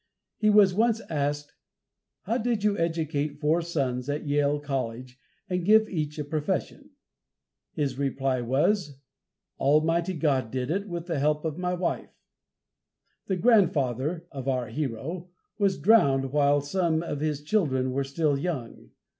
He was once asked, "How did you educate four sons at Yale College, and give each a profession?" His reply was, "Almighty God did it, with the help of my wife." The grandfather (of our hero) was drowned while some of his children were still young.